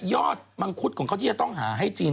ก็แบบนี้ทำให้กิน